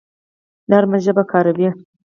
نرمه ژبه کاروئ